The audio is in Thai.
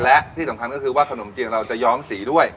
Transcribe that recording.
และที่สำคัญก็คือว่าขนมจีนเราจะย้อมสีด้วย